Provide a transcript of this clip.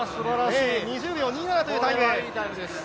２０秒２７というタイム。